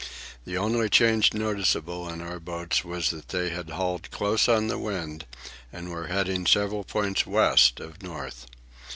The only change noticeable in our boats was that they had hauled close on the wind and were heading several points west of north.